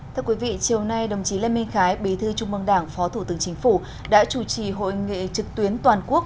thưa quý vị chiều nay đồng chí lê minh khái bí thư trung mương đảng phó thủ tướng chính phủ đã chủ trì hội nghị trực tuyến toàn quốc